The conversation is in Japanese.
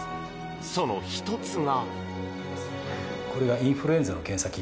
その１つが。